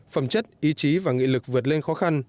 phẩm chất ý chí và nghị lực vượt lên khó khăn